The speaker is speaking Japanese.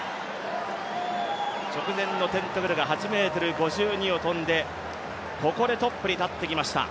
直前のテントグルが８ｍ５２を跳んで、ここでトップに立ってきました。